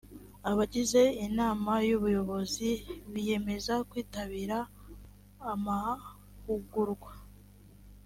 abagize inama y’ubuyobozi biyemeza kwitabira amahugurwa